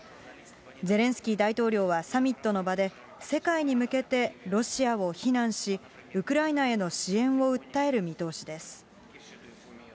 ゼレンスキー大統領はサミットの場で、世界に向けてロシアを非難し、ウクライナへの支援を訴える見通しです。